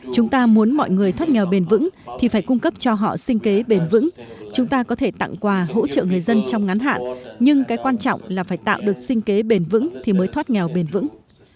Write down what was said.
chúng ta muốn mọi người thoát nghèo bền vững thì phải cung cấp cho họ sinh kế bền vững chúng ta có thể tặng quà hỗ trợ người dân trong ngắn hạn nhưng cái quan trọng là phải tạo được sinh kế bền vững thì mới thoát nghèo bền vững